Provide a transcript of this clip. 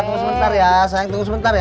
tunggu sebentar ya sayang tunggu sebentar ya